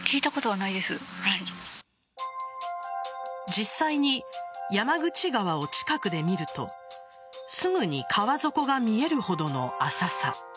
実際に山口川を近くで見るとすぐに川底が見えるほどの浅さ。